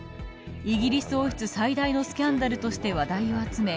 イギリス王室、最大のスキャンダルとして話題を集め